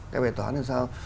cái bài toán làm sao